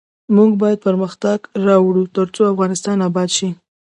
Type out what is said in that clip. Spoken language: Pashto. موږ باید پرمختګ راوړو ، ترڅو افغانستان اباد شي.